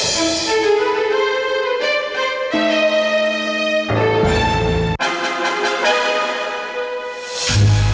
bila kangen sama ayah